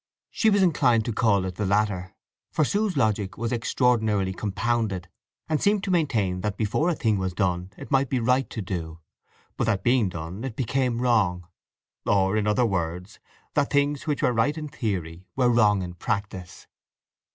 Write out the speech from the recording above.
She was inclined to call it the latter; for Sue's logic was extraordinarily compounded, and seemed to maintain that before a thing was done it might be right to do, but that being done it became wrong; or, in other words, that things which were right in theory were wrong in practice.